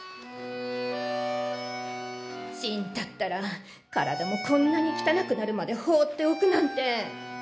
信太ったら体もこんなにきたなくなるまで放っておくなんて。